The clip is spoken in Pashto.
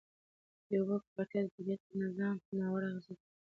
د اوبو ککړتیا د طبیعت پر نظام ناوړه اغېز کوي.